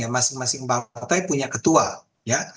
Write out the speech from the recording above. masing masing partai punya ketua ya